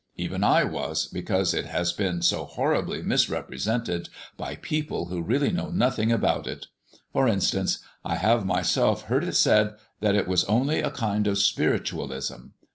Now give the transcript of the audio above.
Even I was, because it has been so horribly misrepresented by people who really know nothing about it. For instance, I have myself heard it said that it was only a kind of spiritualism.